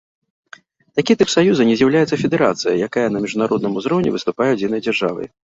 Такі тып саюза не з'яўляецца федэрацыяй, якая на міжнародным узроўні выступае адзінай дзяржавай.